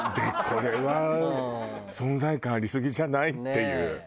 これは存在感ありすぎじゃない？っていう。